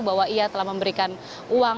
bahwa ia telah memberikan uang